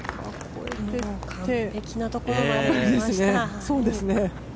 完璧なところまできました。